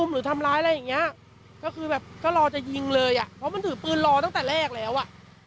เพราะมันถือปืนรอตั้งแต่แรกแล้วอะ